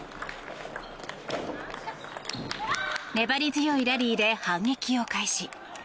粘り強いラリーで反撃を開始。